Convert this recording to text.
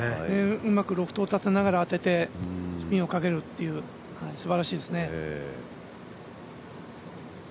うまくロフトを立てながら当てて、スピンをかけるっていうすばらしいですね。